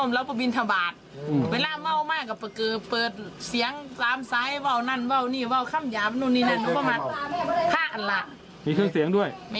แมนดังก่อนลำโพ่งวัดหนูยิ่ง